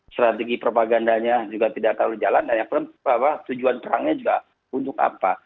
strategi propagandanya juga tidak terlalu jalan dan tujuan perangnya juga untuk apa